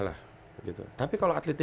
lah gitu tapi kalau atletnya